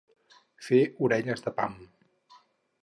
Fer orelles de pam.